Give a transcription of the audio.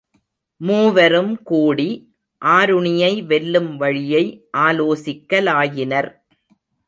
மூவரும் கூடி, ஆருணியை வெல்லும் வழியை ஆலோசிக்கலாயினர்.